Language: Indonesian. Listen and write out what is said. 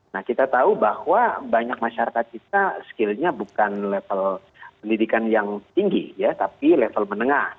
nah kita tahu bahwa banyak masyarakat kita skillnya bukan level pendidikan yang tinggi ya tapi level menengah